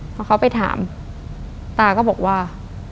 พอเขาไปถามตาก็บอกว่า